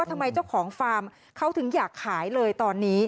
ทำไมเจ้าของฟาร์มเขาถึงอยากขายเลยตอนนี้